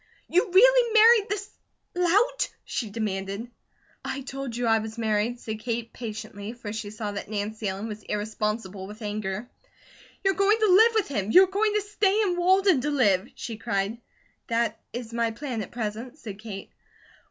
"You really married this lout?" she demanded. "I told you I was married," said Kate, patiently, for she saw that Nancy Ellen was irresponsible with anger. "You're going to live with him, you're going to stay in Walden to live?" she cried. "That is my plan at present," said Kate.